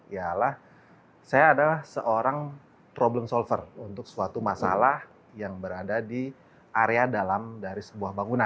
yalah saya adalah seorang problem solver untuk suatu masalah yang berada di area dalam dari sebuah bangunan